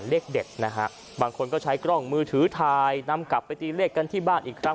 เลขเด็ดนะฮะบางคนก็ใช้กล้องมือถือถ่ายนำกลับไปตีเลขกันที่บ้านอีกครั้ง